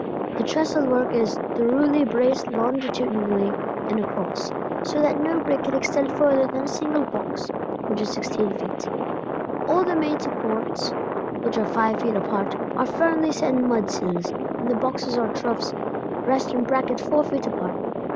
The trestle work is thoroughly braced longitudinally and across, so that no break can extend further than a single box, which is 16 feet. All the main supports, which are five feet apart, are firmly set in mudsills, and the boxes or troughs rest in brackets four feet apart.